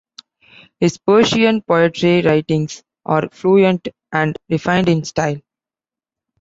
His Persian poetry writings are fluent and refined in style.